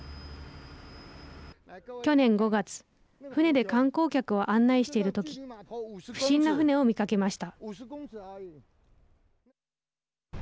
去年５月船で観光客を案内している時不審な船を見かけました。